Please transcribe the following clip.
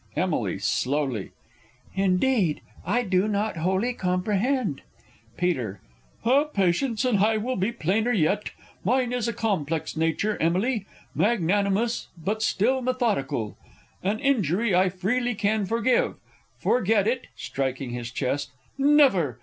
Emily (slowly). Indeed, I do not wholly comprehend. Peter. Have patience and I will be plainer yet. Mine is a complex nature, Emily; Magnanimous, but still methodical. An injury I freely can forgive, Forget it (striking his chest), never!